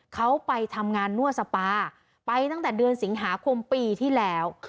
เขาไปทำงานนั่วสปาไปตั้งแต่เดือนสิงหาคมปีที่แล้ว